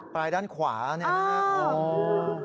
ปลายด้านขวาเอ้อ